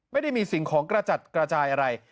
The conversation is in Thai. ไม่ได้มีสิ่งของกระจัดกระจายอะไร